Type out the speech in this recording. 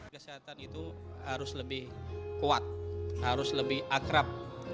kesehatan itu harus lebih kuat harus lebih akrab